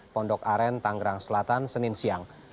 pondok aren tanggerang selatan senin siang